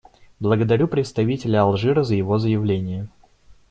Благодарю представителя Алжира за его заявление.